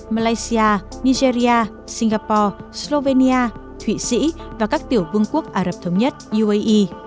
malaysia nigeria singapore slovenia thụy sĩ và các tiểu vương quốc ả rập thống nhất uae